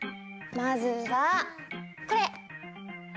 まずはこれ！